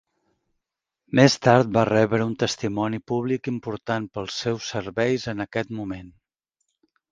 Més tard va rebre un testimoni públic important pels seus serveis en aquest moment.